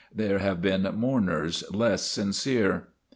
There have been mourners less sincere.